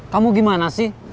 kamu gimana sih